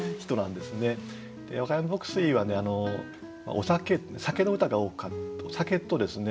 若山牧水はお酒の歌が多かった酒とですね